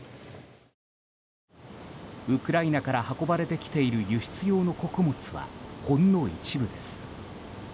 ウクライナから運ばれてきている輸出用の穀物はほんの一部です。